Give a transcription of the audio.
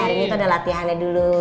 hari ini tuh ada latihannya dulu